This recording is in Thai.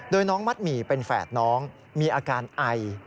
โดยน้องมัดหมี่เป็นแฝดน้องมีอาการไอ